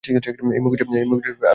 এই মুখোশের আড়ালে তুমি আসলে কে?